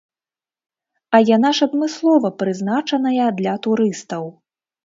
А яна ж адмыслова прызначаная для турыстаў.